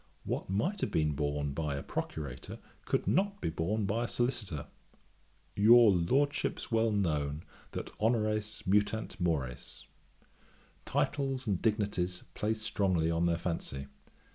What might have been borne by a Procurator could not be borne by a Solicitor. Your Lordships well know, that honores mutant mores. Titles and dignities play strongly on the fancy.